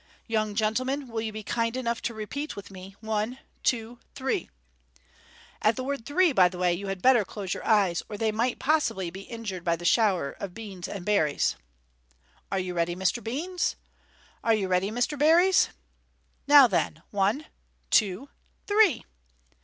Young gentlemen, will you be kind enough to repeat with me, One, two, three ! At the word " three," by the way, you had better close your eyes, or they might possibly be injured by the shower of beans and berries. Are you ready, Mr. Beans ? Are you ready, Mr. Berries ? Now, then, One \ two ! three